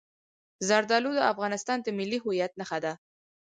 زردالو د افغانستان د ملي هویت نښه ده.